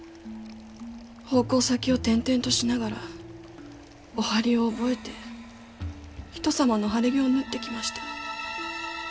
奉公先を転々としながらお針を覚えて人様の晴れ着を縫ってきました。